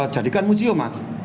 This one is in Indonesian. jadikan museum mas